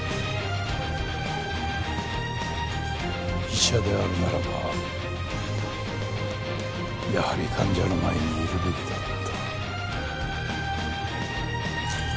医者であるならばやはり患者の前にいるべきだった。